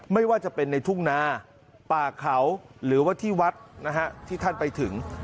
ไม่ว่าจะเป็นในทุ่งนาป่าเขาหรือว่าที่วัดนะฮะที่ท่านไปถึง